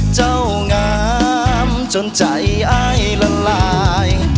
เจ้างามจนใจอ้ายละลาย